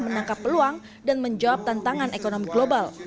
menangkap peluang dan menjawab tantangan ekonomi global